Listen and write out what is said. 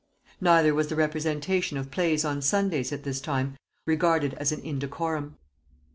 Neither was the representation of plays on Sundays at this time regarded as an indecorum.